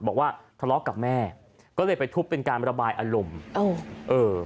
บอกว่าทะเลาะกับแม่ก็เลยไปทุบเป็นการระบายอารมณ์เอ้าเออ